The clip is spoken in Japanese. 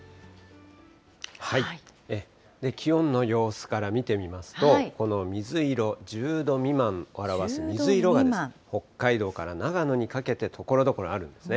気温の様子から見てみますと、この水色、１０度未満を表す水色が、北海道から長野にかけてところどころあるんですね。